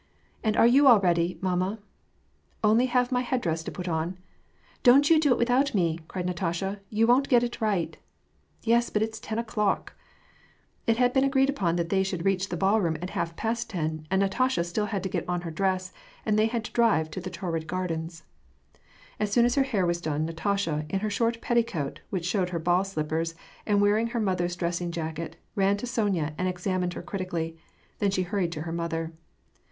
" And are you all ready, mamma ?"" Only have my headdress to put on." " Don't you do it without me !" cried Natasha. "You won't get it right !"" Yes, but it's ten o'clock !" It had been agreed upon that they should reach the ball room at half past ten, and Natasha had still to get on her dress, and they had to drive to the Taurid Gardens. As soon as her hair was done, Natasha, in her short petti coat, which showed her ball slippers, and wearing her mother's dressing jacket, ran to Sonya and examined her critically; then she hurried to her mother.